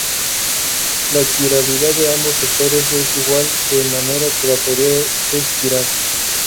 La quiralidad de ambos sectores es igual, de manera que la teoría es quiral.